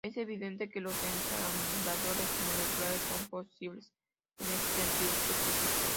Es evidente que los ensambladores moleculares son posibles en este sentido específico.